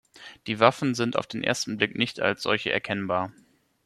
Die Waffen sind auf den ersten Blick nicht als solche erkennbar.